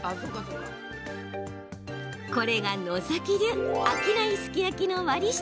これが野崎流飽きないすき焼きの割り下。